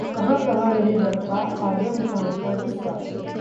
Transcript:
कहां-कहां नहीं बरपा आजम खान का गुस्सा...